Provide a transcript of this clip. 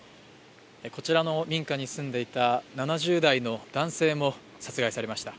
こちらの民家に住んでいた７０代の男性も殺害されました。